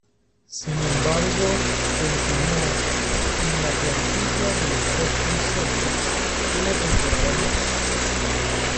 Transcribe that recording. Sin embargo, continuó en la plantilla de los Boston Celtics una temporada más.